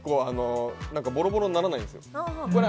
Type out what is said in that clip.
ボロボロにならないんですよ。